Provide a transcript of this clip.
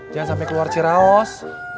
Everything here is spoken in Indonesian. jangan sampai keluar ciraus